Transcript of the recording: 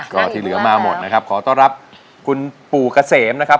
ก็ที่เหลือมาหมดนะครับขอต้อนรับคุณปู่เกษมนะครับ